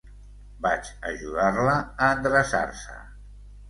Vaig ajudar-la a endreçar-se.